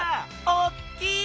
おっきい！